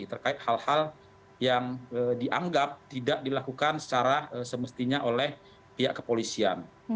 terkait hal hal yang dianggap tidak dilakukan secara semestinya oleh pihak kepolisian